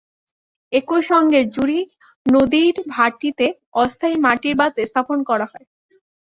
একই সঙ্গে জুড়ী নদীর ভাটিতে অস্থায়ী মাটির বাঁধ স্থাপন করা হয়।